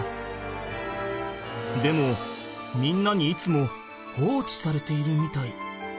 でもみんなにいつも放置されているみたい。